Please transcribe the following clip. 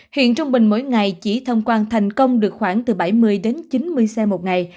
hiện trung bình mỗi ngày chỉ thông quan thành công được khoảng từ bảy mươi đến chín mươi xe một ngày